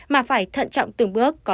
mà phải thận trọng từng bước